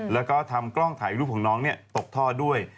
แล้วก็ทำกล้องถ่ายรูปของน้องตกท่อด้วย